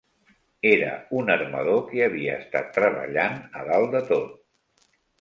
Era un armador que havia estat treballant a dalt de tot.